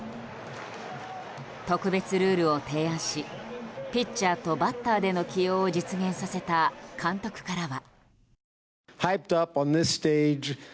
特別ルールを提案しピッチャーとバッターでの起用を実現させた監督からは。